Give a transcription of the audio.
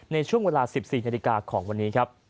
ในช่วงเวลา๑๔นาฬิกาของวันนี้ครับ